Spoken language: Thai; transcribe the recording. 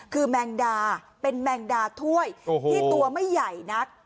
คือแมงดาเป็นแมงดาถ้วยที่ตัวไม่ใหญ่นัก